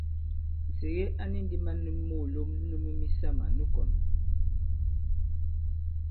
Nsège a ni ndī man nu moòlom nu myu misamà nu kɔ̀n.